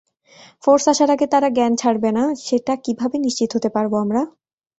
Force আসার আগে তারা গ্যান ছাড়বে না সেটা কীভাবে নিশ্চিত হতে পারব আমরা?